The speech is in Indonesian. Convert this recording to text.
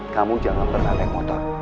kamu jangan pernah naik motor